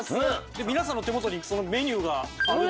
皆さんの手元にそのメニューがあるんですよね。